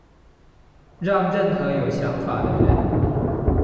讓任何有想法的人